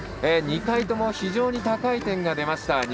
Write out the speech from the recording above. ２回とも非常に高い点が出ました。